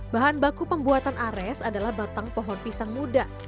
bahan baku pembuatan ares adalah batang pohon pisang muda